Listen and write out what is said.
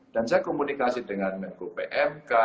dan saya komunikasi dengan pmk